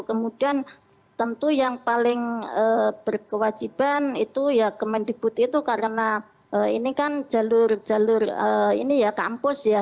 kemudian tentu yang paling berkewajiban itu ya kemendikbud itu karena ini kan jalur jalur ini ya kampus ya